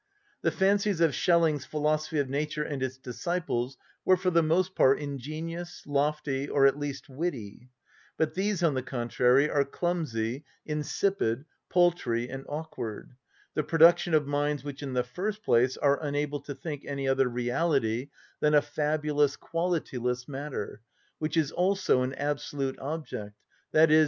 The fancies of Schelling's philosophy of nature and its disciples were for the most part ingenious, lofty, or at least witty; but these, on the contrary, are clumsy, insipid, paltry, and awkward, the production of minds which, in the first place, are unable to think any other reality than a fabulous, qualityless matter, which is also an absolute object, _i.e.